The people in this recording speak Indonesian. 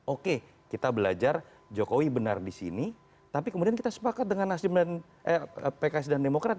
oke kita belajar jokowi benar di sini tapi kemudian kita sepakat dengan pks dan demokrat